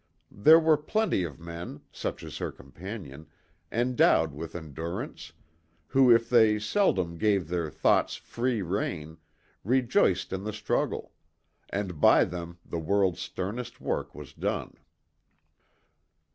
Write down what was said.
There were plenty of men, such as her companion, endowed with endurance, who if they seldom gave their thoughts free rein, rejoiced in the struggle; and by them the world's sternest work was done.